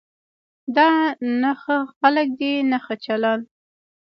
دا نه ښه خلک دي نه ښه چلند.